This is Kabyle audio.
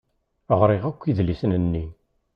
Ɣriɣ akk idlisen-nni.